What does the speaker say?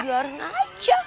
mau biarin aja